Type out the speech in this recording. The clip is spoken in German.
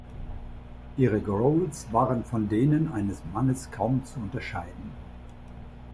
Ihre Growls waren von denen eines Mannes kaum zu unterscheiden.